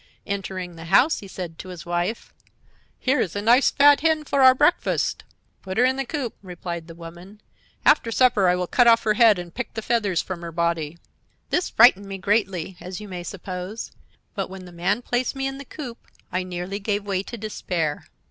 Entering the house, he said to his wife: "'Here is a nice, fat hen for our breakfast.' "'Put her in the coop,' replied the woman. 'After supper I will cut off her head and pick the feathers from her body.' "This frightened me greatly, as you may suppose, and when the man placed me in the coop I nearly gave way to despair.